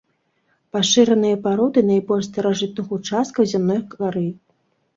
Пашыраныя пароды найбольш старажытных участкаў зямной кары.